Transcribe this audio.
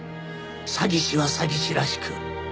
詐欺師は詐欺師らしく。